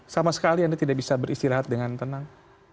sama sekali anda tidak bisa beristirahat dengan tenang